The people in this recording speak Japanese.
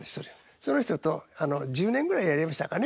その人と１０年ぐらいやりましたかね？